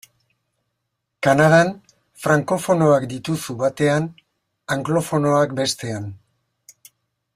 Kanadan, frankofonoak dituzu batean, anglofonoak bestean.